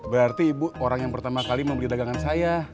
berarti bu orang yang pertama kali mau beli dagangan saya